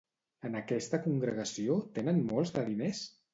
En aquesta congregació tenen molts de diners?